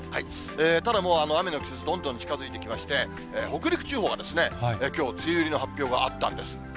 ただもう、雨の季節、どんどん近づいてきまして、北陸地方はきょう、梅雨入りの発表があったんです。